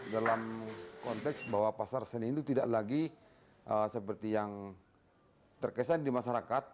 dalam konteks bahwa pasar senen itu tidak lagi seperti yang terkesan di masyarakat